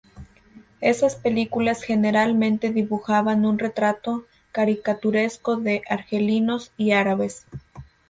Esas películas generalmente dibujaban un retrato caricaturesco de argelinos y árabes.